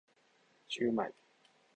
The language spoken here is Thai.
ชื่อใหม่